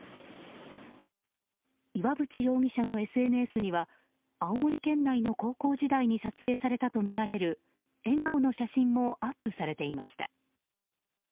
岩渕容疑者のＳＮＳには青森県内の高校時代に撮影されたとみられる笑顔の写真もアップされていました。